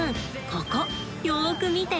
ここよく見て！